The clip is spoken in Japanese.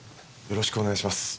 よろしくお願いします。